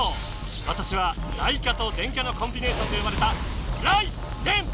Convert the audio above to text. わたしは雷キャと電キャのコンビネーションで生まれた「ライ」「デェン」！